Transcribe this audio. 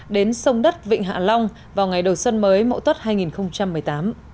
đến sông đất vịnh hạ long vào ngày đầu xuân mới mậu tốt hai nghìn một mươi tám